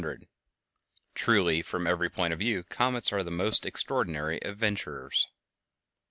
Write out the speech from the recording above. Truly from every point of view comets are the most extraordinary of adventurers!